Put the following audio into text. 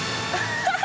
ハハハハ。